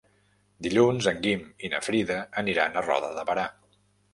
Dilluns en Guim i na Frida aniran a Roda de Berà.